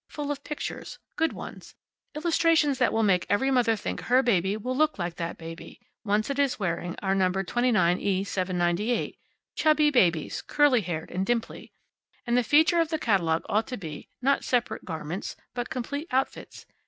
Full of pictures. Good ones. Illustrations that will make every mother think her baby will look like that baby, once it is wearing our No. 29E798 chubby babies, curly headed, and dimply. And the feature of that catalogue ought to be, not separate garments, but complete outfits.